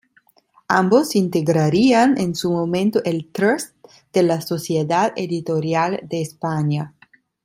Ambos integrarían en su momento el "trust" de la Sociedad Editorial de España.